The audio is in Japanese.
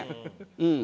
うん。